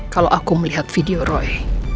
kalau aku melihat video roy